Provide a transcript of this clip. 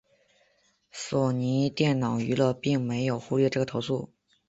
索尼电脑娱乐并没有忽略这个投诉。